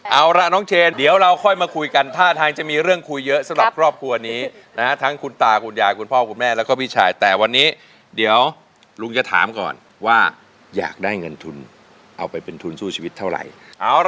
เอาล่ะน้องเชนเดี๋ยวเราค่อยมาคุยกันท่าทางจะมีเรื่องคุยเยอะสำหรับครอบครัวนี้นะฮะทั้งคุณตาคุณยายคุณพ่อคุณแม่แล้วก็พี่ชายแต่วันนี้เดี๋ยวลุงจะถามก่อนว่าอยากได้เงินทุนเอาไปเป็นทุนสู้ชีวิตเท่าไหร่